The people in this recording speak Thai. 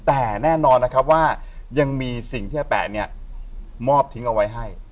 แต่แน่นอนว่ายังมีสิ่งที่แปะมอบทิ้งเอาไว้ให้